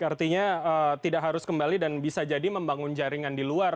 artinya tidak harus kembali dan bisa jadi membangun jaringan di luar